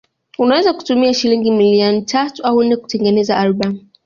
Unaweza kutumia shilingi milioni tatu au nne kutengeneza albamu